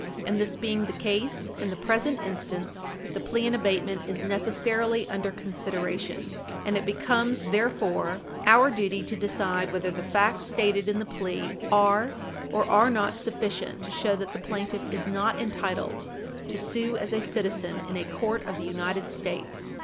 And this being the case in the present instance, the plea in abatement is necessarily under consideration, and it becomes, therefore, our duty to decide whether the facts stated in the plea are or are not sufficient to show that the plaintiff is not entitled to sue as a citizen in a court of the United States.